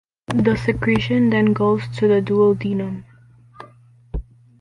This secretion then goes to the duodenum.